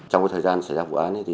trong thời gian này